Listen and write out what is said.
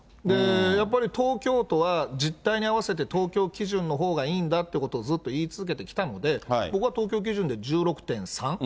やっぱり東京都は、実態に合わせて、東京基準のほうがいいんだっていうことをずっと言い続けてきたので、僕は東京基準で１６．３。